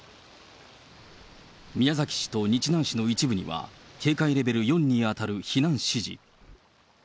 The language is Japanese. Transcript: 宮崎市と日南市の一部には、警戒レベル４に当たる避難指示。